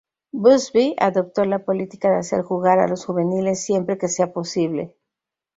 Busby adoptó la política de hacer jugar a los juveniles siempre que sea posible.